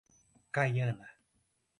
Caiana